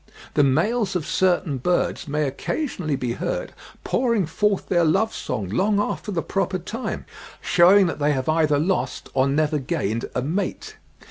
The males of certain birds may occasionally be heard pouring forth their love song long after the proper time, shewing that they have either lost or never gained a mate.